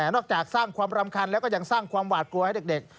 จากสร้างความรำคันแล้วก็ยังสร้างความหวาดกลัวให้เด็ก